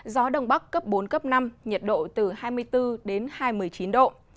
gió đông bắc cấp bốn cấp năm nhiệt độ từ hai mươi bốn đến hai mươi chín độ